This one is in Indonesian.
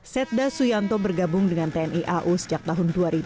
setda suyanto bergabung dengan tni au sejak tahun dua ribu